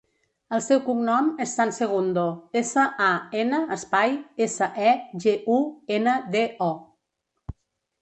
El seu cognom és San Segundo: essa, a, ena, espai, essa, e, ge, u, ena, de, o.